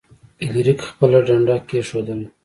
فلیریک خپله ډنډه کیښودله.